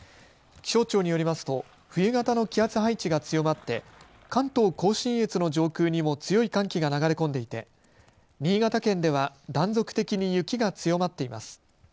気象庁によりますと冬型の気圧配置が強まって関東甲信越の上空にも強い寒気が流れ込んでいて新潟県では断続的に雪が強まっています。